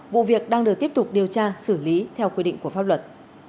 vụ việc đang được tiếp tục điều tra xử lý theo quy định của pháp luật